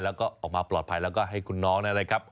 แล้วก็ออกมาปลอดภัยแล้วก็ให้คุณน้องนะครับ